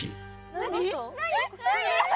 何？